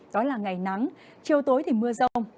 gió là ngày nắng chiều tối thì mưa rông